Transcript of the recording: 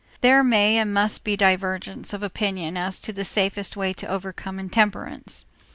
There may and must be divergence of opinion as to the safest way to overcome intemperance.